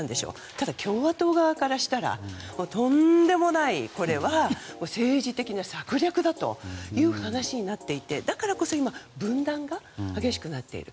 ただ、共和党側からしたらとんでもない政治的な策略だという話になっていて、だからこそ今分断が激しくなっている。